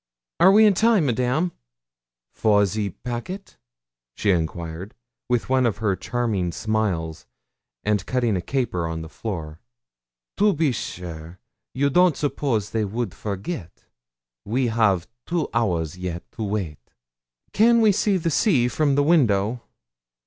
'Are we in time, Madame?' 'For the packet?' she enquired, with one of her charming smiles, and cutting a caper on the floor. 'To be sure; you don't suppose they would forget. We have two hours yet to wait.' 'Can we see the sea from the window?'